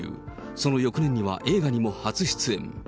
その翌年には映画にも初出演。